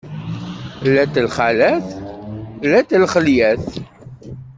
Llant lxalat, llant lxelyat.